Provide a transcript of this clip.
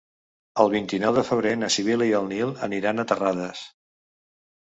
El vint-i-nou de febrer na Sibil·la i en Nil aniran a Terrades.